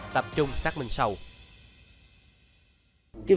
tập trung xác minh sau